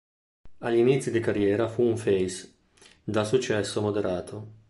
Agli inizi di carriera fu un face, dal successo moderato.